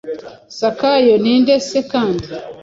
Zakayo ninde se kandi